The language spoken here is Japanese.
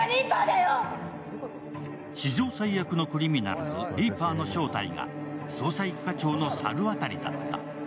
史上最悪のクリミナルズ、リーパーの正体が捜査一課長の猿渡だった。